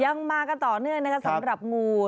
ยังมากันต่อเนื่องสำหรับงู